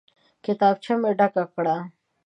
کتابچه مې ډکه کړه.